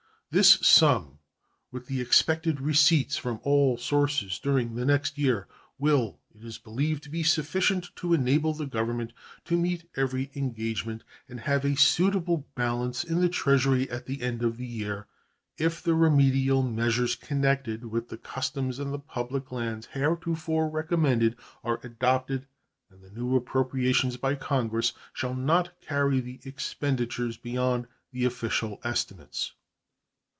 This sum, with the expected receipts from all sources during the next year, will, it is believed, be sufficient to enable the Government to meet every engagement and have a suitable balance, in the Treasury at the end of the year, if the remedial measures connected with the customs and the public lands heretofore recommended are adopted and the new appropriations by Congress shall not carry the expenditures beyond the official estimates.